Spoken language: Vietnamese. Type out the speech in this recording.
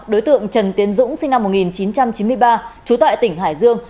đối tượng trần tiến dũng sinh năm một nghìn chín trăm chín mươi ba trú tại tỉnh hải dương